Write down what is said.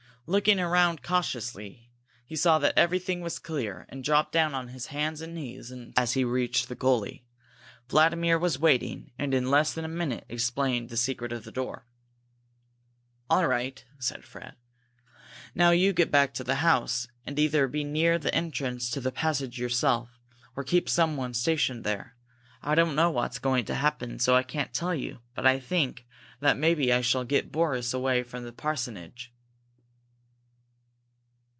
Looking around cautiously, he saw that everything was clear, and dropped down on hands and knees as he reached the gully. Vladimir was waiting, and in less than a minute explained the secret of the door. "All right," said Fred. "Now you get back to the house, and either be near the entrance to the passage yourself, or keep someone stationed there. I don't know what's going to happen, so I can't tell you, but I think that maybe I shall get Boris away from the parsonage."